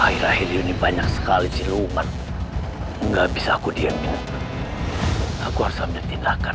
akhir akhir ini banyak sekali siluman enggak bisa aku dianggap aku harus ambil tindakan